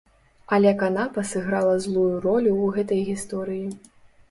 Але канапа сыграла злую ролю ў гэтай гісторыі.